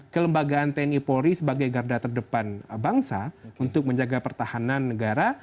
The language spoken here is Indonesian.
kelembagaan tni polri sebagai garda terdepan bangsa untuk menjaga pertahanan negara